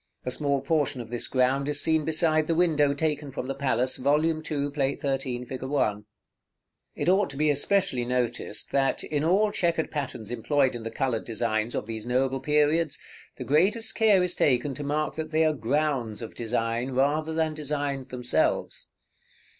A small portion of this ground is seen beside the window taken from the palace, Vol. II. Plate XIII. fig. 1. § XXXIII. It ought to be especially noticed, that, in all chequered patterns employed in the colored designs of these noble periods, the greatest care is taken to mark that they are grounds of design rather than designs themselves.